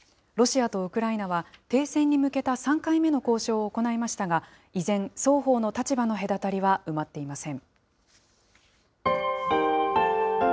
ロシアとウクライナは、停戦に向けた３回目の交渉を行いましたが、依然、双方の立場の隔たりは埋まっていません。